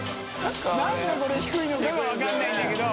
覆鵑これ低いのかが分からないんだけど。